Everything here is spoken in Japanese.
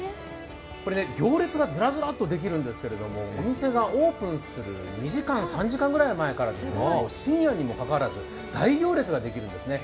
行列がずらずらっとできるんですけどお店がオープンする２時間、３時間前から深夜にもかかわらず、大行列ができるんですね。